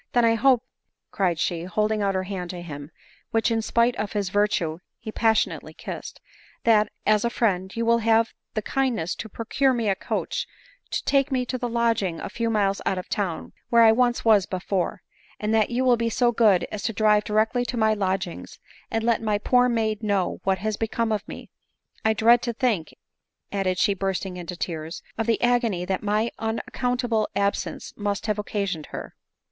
" Then I hope," cried she, holding out her hand to him, which in spite of his virtue be pas sionately kissed, " that, as a friend, you will have the kindness to procure me a coach to take me to a lodging a few miles out of town, where I once was before ; and that you will be so good as to drive directly to my lodg ings, and let my poor maid know what has become of me. I dread to think," added she bursting into tears, " of the agony that my unaccountable absence must have occasioned her."